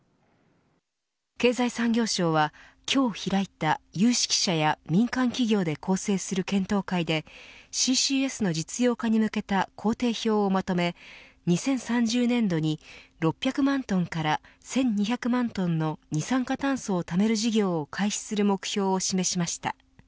経済産業省は今日、開いた有識者や民間企業で構成する検討会でＣＣＳの実用化に向けた工程表をまとめ２０３０年度に６００万トンから１２００万トンの二酸化炭素をためる事業を開始する目標を示しました。